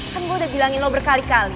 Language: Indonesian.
kan gue udah bilangin lo berkali kali